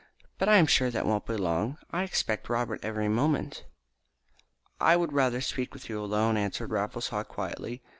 But I am sure that they won't be long. I expect Robert every moment." "I would rather speak with you alone," answered Raffles Haw quietly.